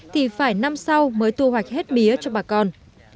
thì phải năm sau mới thu hoạch hết mía cho bà con